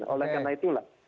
oleh karena itulah